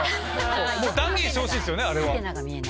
断言してほしいっすよねあれは。